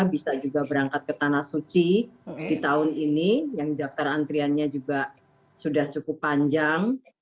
bisa juga berangkat ke tanah suci di tahun ini yang daftar antriannya juga sudah cukup panjang